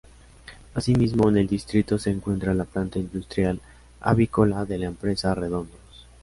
Asimismo en el distrito se encuentra la planta industrial avícola de la empresa Redondos.